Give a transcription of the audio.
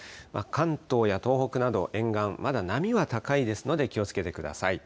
関東や東北など沿岸、まだ波は高いですので気をつけてください。